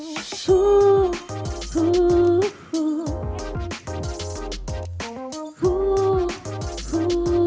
lebih lebih sayang kamu